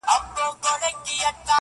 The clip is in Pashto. لکه جوړه له بلوړو مرغلینه.!